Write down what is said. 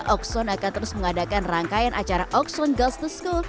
okson akan terus mengadakan rangkaian acara oxon guls to school